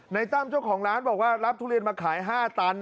ตั้มเจ้าของร้านบอกว่ารับทุเรียนมาขาย๕ตัน